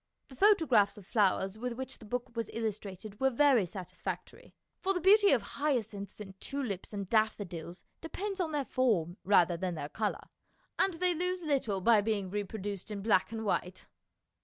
The photographs of flowers with which the book was illustrated were very satisfactory, for the beauty of hyacinths and tulips and daffo dils depends on their form rather than their colour, and they lose little by being repro duced in black and white.